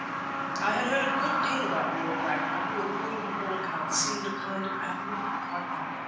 I had heard a good deal about Lord Ragnall, who, according to all accounts, seemed a kind of Admirable Crichton.